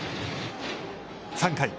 ３回。